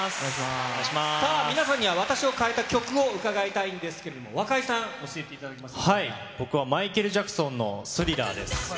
さあ、皆さんには私を変えた曲を伺いたいんですけれども、若井さん、僕はマイケル・ジャクソンのスリラーです。